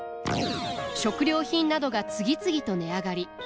食料品などが次々と値上がり。